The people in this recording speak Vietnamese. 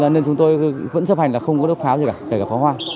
nên chúng tôi vẫn chấp hành là không có đốt pháo gì cả kể cả pháo hoa